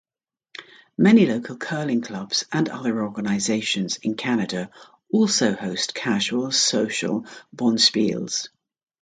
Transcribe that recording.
Many local curling clubs and other organizations in Canada also host casual, social bonspiels.